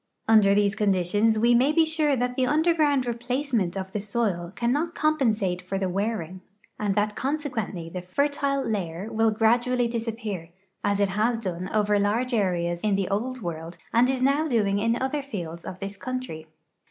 Under these conditions we may be sure that the underground replace ment of the soil cannot compensate for the w'earing, and that consequent!}' the fertile layer will gradually disappear, as it has done over large areas in the Old World and is now doing in other fields of this country.